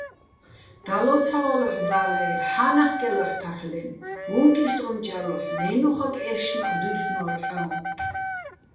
დალო́ცავალოჰ̦ო̆, და́ლე́, ჰ̦ა́ნახკ ჲალოჰ̦ო̆ თარლ'ენო̆, უ̂ჼკ იშტრუნჭ ჲალოჰ̦ო̆, მე́ნუხაკ ე́შშმაჸო̆ დუ́ჲლ'ნო́ლო̆ ჰ̦ოჼ?